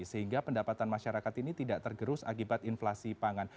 sehingga pendapatan masyarakat ini tidak tergerus akibat inflasi pangan